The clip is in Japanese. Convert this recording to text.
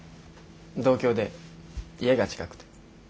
同郷で家が近くて。